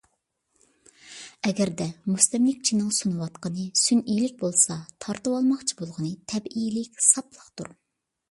ئەگەردە مۇستەملىكىچىنىڭ سۇنۇۋاتقىنى سۈنئىيلىك بولسا، تارتىۋالماقچى بولغىنى تەبىئىيلىك، ساپلىقتۇر.